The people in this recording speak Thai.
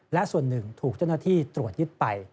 และส่วนหนึ่งถูกเจ้าหน้าที่ตรวจยึดไป